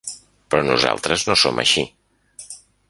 Però nosaltres no som així.